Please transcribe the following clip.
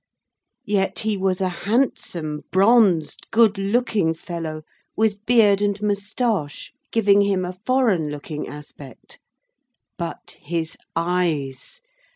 Yet he was a handsome, bronzed, good looking fellow, with beard and moustache, giving him a foreign looking aspect; but his eyes!